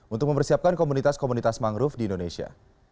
untuk mempersiapkan komunitas komunitas mangrove di indonesia